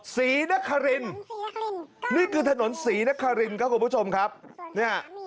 ศรีนครินนี่คือถนนศรีนครินครับคุณผู้ชมครับเนี่ย